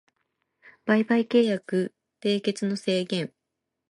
売買契約締結の制限